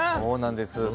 そうなんです。